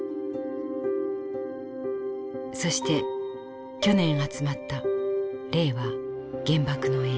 そして去年集まった「令和原爆の絵」。